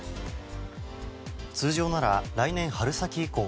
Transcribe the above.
通常なら来年春先以降。